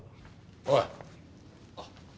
おい。